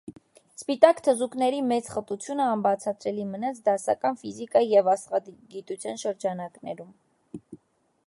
Սպիտակ թզուկների մեծ խտությունը անբացատրելի մնաց դասական ֆիզիկայի և աստղագիտության շրջանակներում։